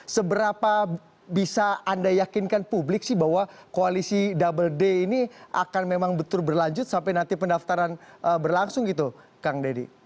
seberapa bisa anda yakinkan publik sih bahwa koalisi double d ini akan memang betul berlanjut sampai nanti pendaftaran berlangsung gitu kang deddy